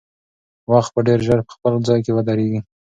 وخت به ډېر ژر په خپل ځای کې ودرېږي.